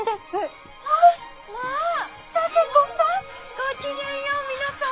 ごきげんよう皆様。